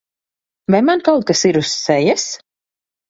Vai man kaut kas ir uz sejas?